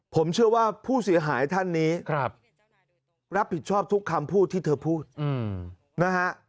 ผมเชื่อว่าผู้เสียหายท่านนี้รับผิดชอบทุกคำพูดที่เธอพูดนะฮะ